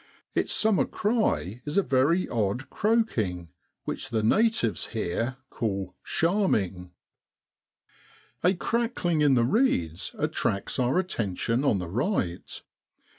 Its summer cry is a very odd croaking, which the natives here call ' sharming.' A crackling in the reeds attracts our attention on the right.